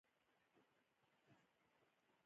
د افغان کلی د امن، محبت او اتفاق کور دی.